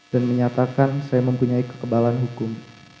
dan menyatakan saya mempunyai kekebalan hukum